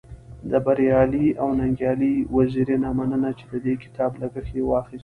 د بريالي او ننګيالي وزيري نه مننه چی د دې کتاب لګښت يې واخست.